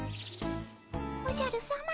おじゃるさま。